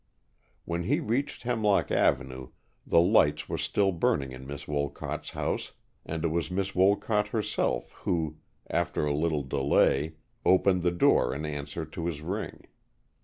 When he reached Hemlock Avenue the lights were still burning in Miss Wolcott's house, and it was Miss Wolcott herself who, after a little delay, opened the door in answer to his ring.